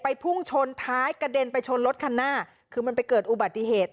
พุ่งชนท้ายกระเด็นไปชนรถคันหน้าคือมันไปเกิดอุบัติเหตุ